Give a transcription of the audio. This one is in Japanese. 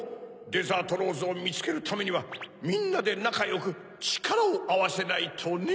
デザートローズをみつけるためにはみんなでなかよくちからをあわせないとね！